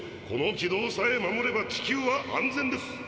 この軌道さえ守れば地球は安全です。